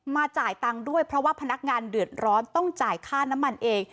จ่ายตังค์ด้วยเพราะว่าพนักงานเดือดร้อนต้องจ่ายค่าน้ำมันเอง